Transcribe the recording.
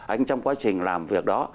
anh trong quá trình làm việc đó